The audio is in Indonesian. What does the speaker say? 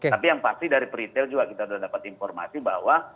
tapi yang pasti dari peritel juga kita sudah dapat informasi bahwa